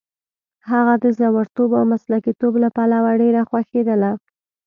هغه د زړورتوب او مسلکیتوب له پلوه ډېره خوښېدله.